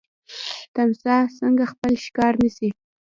تمساح څنګه خپل ښکار نیسي؟